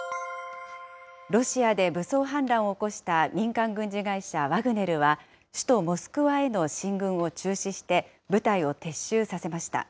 ロシアで武装反乱を起こした民間軍事会社ワグネルは、首都モスクワへの進軍を中止して、部隊を撤収させました。